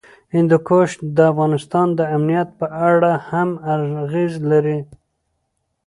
هندوکش د افغانستان د امنیت په اړه هم اغېز لري.